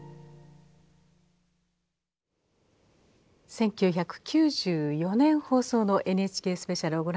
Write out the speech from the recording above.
１９９４年放送の「ＮＨＫスペシャル」をご覧頂きました。